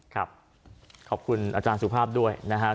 ขอบคุณอาจารย์สุภาพด้วยนะฮะ